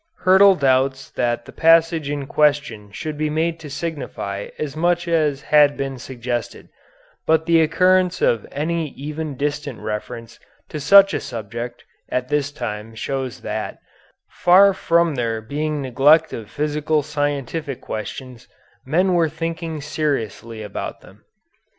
Hyrtl doubts that the passage in question should be made to signify as much as has been suggested, but the occurrence of any even distant reference to such a subject at this time shows that, far from there being neglect of physical scientific questions, men were thinking seriously about them.